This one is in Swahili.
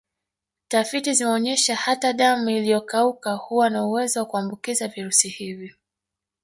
Tafiti zimeonyesha hata damu iliyokauka huwa na uwezo wa kuambukiza virusi hivi